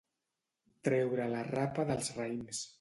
Treure la rapa dels raïms.